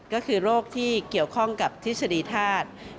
ก็คือโรคที่เกี่ยวข้องกับทฤษฎีธาตุ